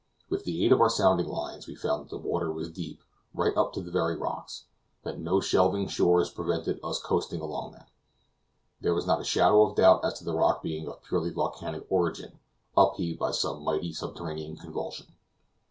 With the aid of our sounding lines we found that the water was deep, right up to the very rocks, and that no shelving shores prevented us coasting along them. There was not a shadow of doubt as to the rock being of purely volcanic origin, up heaved by some mighty subterranean convulsion.